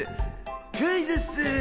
クイズッス！